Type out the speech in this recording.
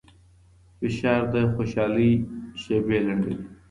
فشار د خوشحالۍ شېبې لنډوي.